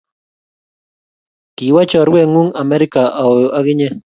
Kiwo chorwet ngung Amerika auyo akinye?